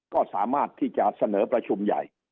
ก็สามารถที่จะเสนอประชุมใหญ่